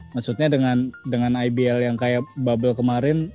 maksudnya dengan ibl yang kayak bubble kemarin